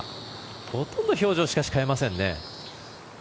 ほとんど表情を変えませんね。